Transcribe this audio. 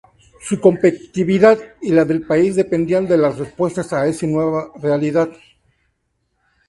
Su competitividad y la del país dependían de las respuestas a esa nueva realidad.